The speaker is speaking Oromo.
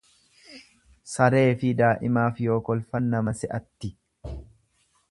Sareefi daa'imaaf yoo kolfan nama se'atti.